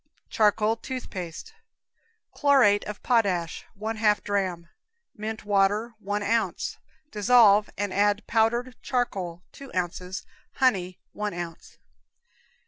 Charcoal Tooth Paste. Chlorate of potash, 1/2 dram; mint water, 1 ounce. Dissolve and add powdered charcoal, 2 ounces; honey, 1 ounce.